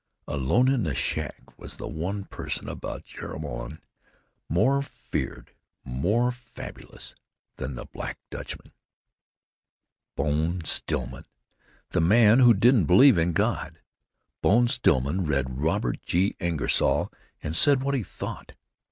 Alone in the shack was the one person about Joralemon more feared, more fabulous than the Black Dutchman—"Bone" Stillman, the man who didn't believe in God. Bone Stillman read Robert G. Ingersoll, and said what he thought.